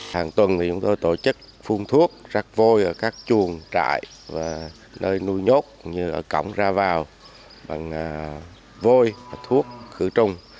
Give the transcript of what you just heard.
hàng tuần chúng tôi tổ chức phun thuốc rắc vôi ở các chuồng trại và nơi nuôi nhốt như ở cổng ra vào bằng vôi thuốc khử trùng